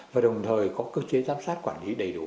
và đồng thời có cơ chế giám sát quản lý đầy đủ